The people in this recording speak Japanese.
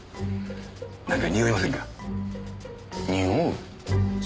なんかにおいませんか？におう？